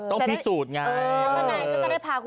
ต้องพิสูจน์ไง